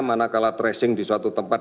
mana kalah tracing di suatu tempat